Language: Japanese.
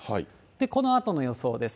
このあとの予想です。